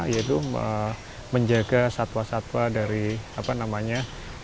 yaitu menjaga satwa satwa dari apa namanya